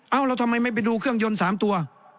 เอาแล้วทำไมไม่ไปดูเครื่องยนต์๓ตัว